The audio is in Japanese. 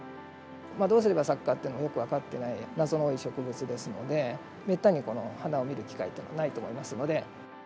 どうすれば咲くかっていうのがよく分かっていない謎の多い植物ですので、めったにこの花を見る機会というのはないと思いますので。